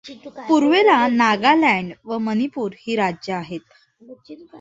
पूर्वेला नागालँड व मणिपूर ही राज्य आहेत.